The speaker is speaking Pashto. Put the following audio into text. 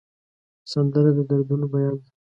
سندره د دردونو بیان ده